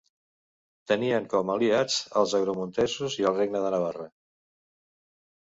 Tenien com a aliats als agramontesos i al Regne de Navarra.